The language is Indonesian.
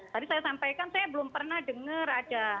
tadi saya sampaikan saya belum pernah dengar ada